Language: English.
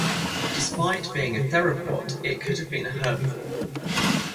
Despite being a theropod, it could have been a herbivore.